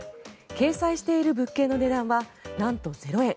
掲載している物件の値段はなんと０円。